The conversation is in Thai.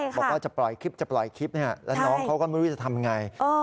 บอกว่าจะปล่อยคลิปแล้วน้องเขาก็ไม่รู้จะทำอย่างไร